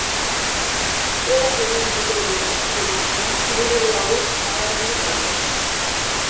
Berak egin dituen idazkien artean liburu hauek nabarmendu daitezke.